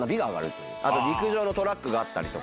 陸上のトラックがあったりとか。